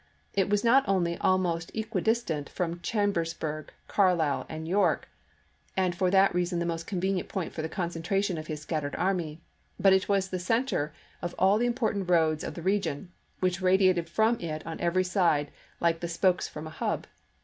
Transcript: It was not only almost equidistant from Chambersburg, Carlisle, and York, and for that reason the most convenient point for the concentration of his scattered army, but it was the center of all the important roads of the region, which radiated from it on every side like the spokes from a hub.